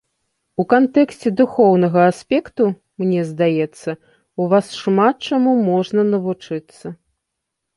У кантэксце духоўнага аспекту, мне здаецца, у вас шмат чаму можна навучыцца.